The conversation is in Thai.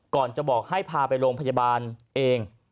ก่อนจะบอกให้พาไปโรงพยาบาลเอง